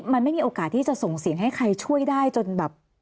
มันไม่มีโอกาสที่จะส่งเสียงให้ใครช่วยได้จนแบบ